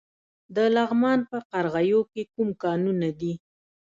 د لغمان په قرغیو کې کوم کانونه دي؟